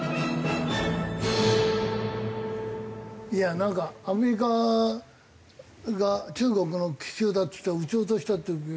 なんかアメリカが中国の気球だっつって撃ち落としたっていうけど。